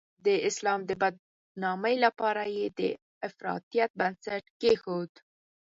د اسلام د بدنامۍ لپاره یې د افراطیت بنسټ کېښود.